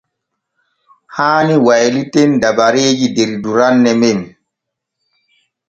Haani wayliten dabareeji der duranne men.